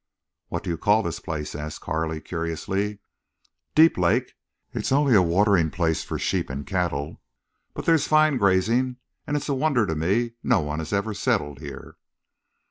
"What do you call this place?" asked Carley, curiously. "Deep Lake. It's only a watering place for sheep and cattle. But there's fine grazing, and it's a wonder to me no one has ever settled here."